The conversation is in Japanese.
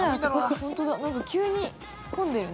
◆本当だ、急に混んでるね。